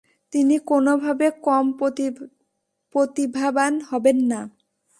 তিনি কোনভাবে কম প্রতিভাবান হবেন না।